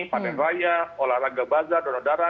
pantai raya olahraga bazaar donodara